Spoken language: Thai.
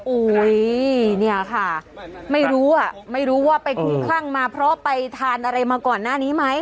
อุ้ยเนี่ยค่ะไม่รู้อ่ะไม่รู้ว่าไปคุ้มคลั่งมาเพราะไปทานอะไรมาก่อนหน้านี้ไหม